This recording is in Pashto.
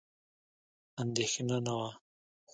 اندېښنه نه وه.